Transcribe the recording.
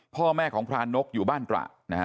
พ่อแม่ของพรานกอยู่บ้านตระนะฮะ